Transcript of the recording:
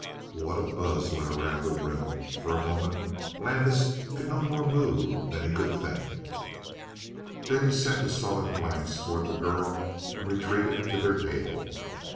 What a buzz went around the room! For a moment Landis could no more move than he could think; then he sent a sullen glance toward the girl and retreated to their table.